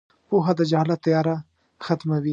• پوهه د جهالت تیاره ختموي.